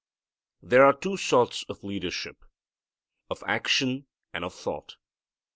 There are two sorts of leadership, of action, and of thought.